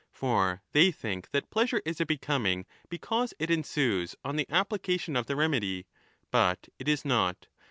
For they think that pleasure is a becoming because it ensues on the application of the remedy ; but it is not.